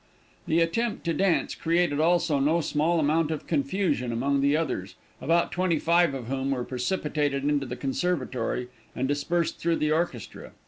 The attempt to dance created also no small amount of confusion among the others, about twenty five of whom were precipitated into the conservatory and dispersed through the orchestra.